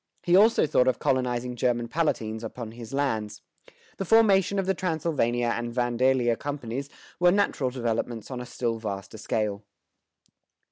He also thought of colonizing German Palatines upon his lands. The formation of the Transylvania and Vandalia companies were natural developments on a still vaster scale.